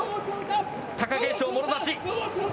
貴景勝、もろ差し。